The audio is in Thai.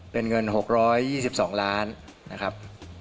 เป็นเงิน๖๒๒ล้านบาท